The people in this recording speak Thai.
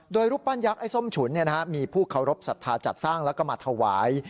โดยรูปปั้นยักษ์ไอ้ส้มฉุนมีผู้เคารพสัทธาจัดสร้างแล้วก็มาถวาย